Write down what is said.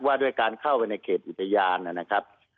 ว่าด้วยการเข้าไปในเขตอุทยานนะครับ